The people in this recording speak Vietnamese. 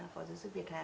phó giáo sư việt hà